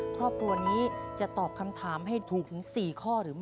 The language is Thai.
ครอบครัวนี้จะตอบคำถามให้ถูกทุ่งสี่ข้อ